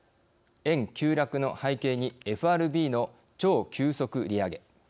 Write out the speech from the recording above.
円急落の背景にＦＲＢの超急速、利上げ。